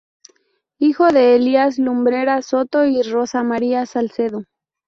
Hijo de Elías Lumbreras Soto y Rosa María Salcedo.